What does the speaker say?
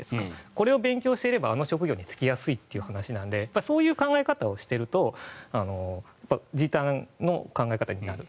これを勉強していればあの職業に就きやすいということなのでそういう考え方をしていると時短の考え方になる。